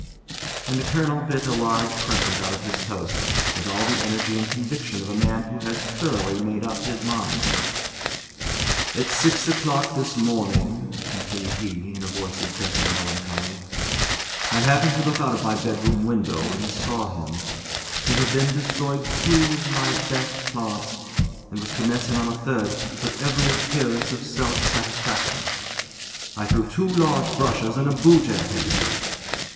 And the colonel bit a large crescent out of his toast, with all the energy and conviction of a man who has thoroughly made up his mind. "At six o'clock this morning," continued he, in a voice of gentle melancholy, "I happened to look out of my bedroom window, and saw him. He had then destroyed two of my best plants, and was commencing on a third, with every appearance of self satisfaction. I threw two large brushes and a boot at him."